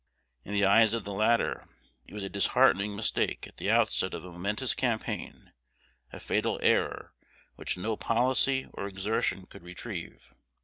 In the eyes of the latter it was a disheartening mistake at the outset of a momentous campaign, a fatal error, which no policy or exertion could retrieve.